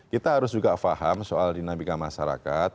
kita harus juga paham soal dinamika masyarakat